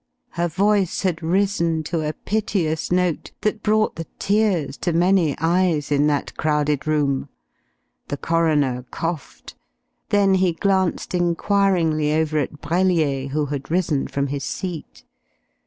Her voice had risen to a piteous note that brought the tears to many eyes in that crowded room. The coroner coughed. Then he glanced enquiringly over at Brellier, who had risen from his seat.